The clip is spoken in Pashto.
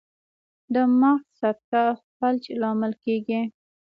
د مغز سکته فلج لامل کیږي